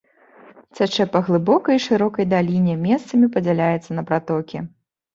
Цячэ па глыбокай і шырокай даліне, месцамі падзяляецца на пратокі.